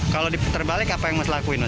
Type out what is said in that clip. kalau terbalik apa yang mas lakuin mas